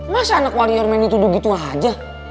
masa anak warior main itu duduk gitu aja